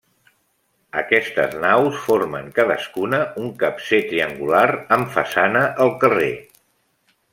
Aquestes naus formen cadascuna un capcer triangular amb façana al carrer.